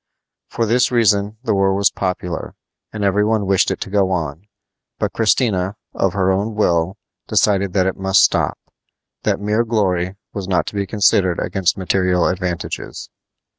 For this reason the war was popular, and every one wished it to go on; but Christina, of her own will, decided that it must stop, that mere glory was not to be considered against material advantages.